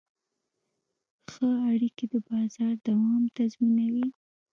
ښه اړیکې د بازار دوام تضمینوي.